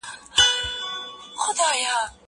زه مخکي کتابتون ته تللي وو!؟